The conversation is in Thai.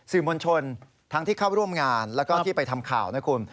สื่อมวลชนทั้งที่เข้าร่วมงานแล้วก็ที่ไปทำข่าวนะคุณ